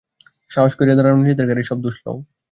সাহস করিয়া দাঁড়াও, নিজেদের ঘাড়েই সব দোষ লও।